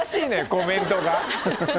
コメントが。